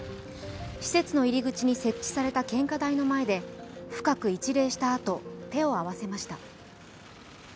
施設の入り口に設置された献花台の前で深く一礼したあと、手を合わせました。